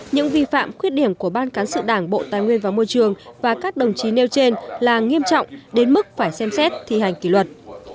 những vi phạm khuyết điểm của ban cán sự đảng bộ tài nguyên và môi trường và các đồng chí nêu trên là nghiêm trọng đến mức phải xem xét thi hành kỷ luật